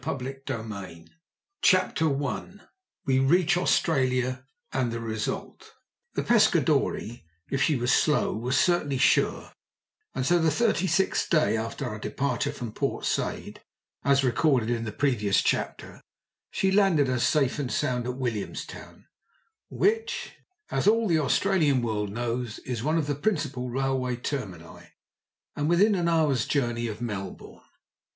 PART II CHAPTER I WE REACH AUSTRALIA, AND THE RESULT The Pescadore, if she was slow, was certainly sure, and so the thirty sixth day after our departure from Port Said, as recorded in the previous chapter, she landed us safe and sound at Williamstown, which, as all the Australian world knows, is one of the principal railway termini, and within an hour's journey of Melbourne.